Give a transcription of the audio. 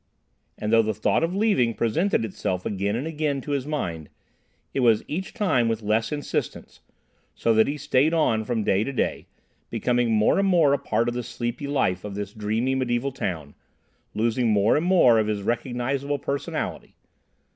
And though the thought of leaving presented itself again and again to his mind, it was each time with less insistence, so that he stayed on from day to day, becoming more and more a part of the sleepy life of this dreamy mediaeval town, losing more and more of his recognisable personality.